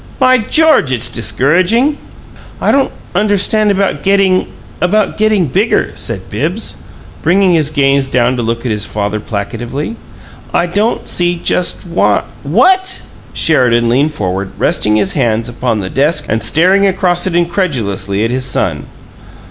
By George! it's discouraging!" "I don't understand about getting about getting bigger," said Bibbs, bringing his gaze down to look at his father placatively. "I don't see just why " "WHAT?" Sheridan leaned forward, resting his hands upon the desk and staring across it incredulously at his son.